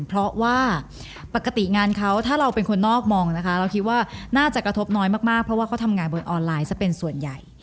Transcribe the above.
เพราะว่าปกติงานเขาถ้าเราเป็นคนนอกมองนะคะเราคิดว่าน่าจะกระทบน้อยมากเพราะว่าเขาทำงานบนออนไลน์ซะเป็นส่วนใหญ่